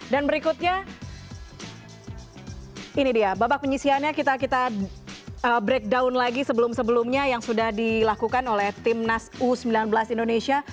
dan berikutnya ini dia babak penyesihannya kita breakdown lagi sebelum sebelumnya yang sudah dilakukan oleh timnas u sembilan belas indonesia